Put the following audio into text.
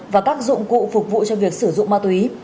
và các dụng cụ phục vụ cho việc sử dụng ma túy